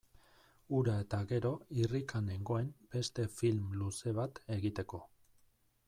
Hura eta gero irrikan nengoen beste film luze bat egiteko.